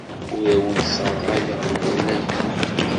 Ur awent-sserɣayeɣ lɣella-nwent.